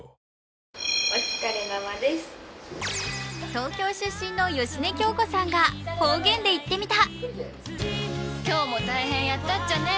東京出身の芳根京子さんが方言で言ってみた。